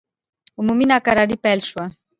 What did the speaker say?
عمومي ناکراري پیل شوه.